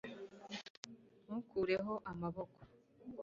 ntukureho amaboko